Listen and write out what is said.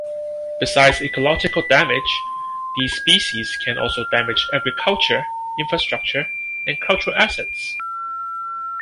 Besides ecological damage, these species can also damage agriculture, infrastructure, and cultural assets.